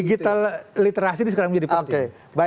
digital literasi ini sekarang menjadi penting